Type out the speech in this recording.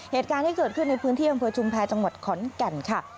เหตุการณ์ที่เกิดขึ้นในพื้นที่อำเภอชุมแพรจังหวัดขอนแก่นค่ะ